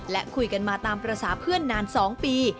และคุยกันมาตามภาษาเพื่อนนาน๒ปี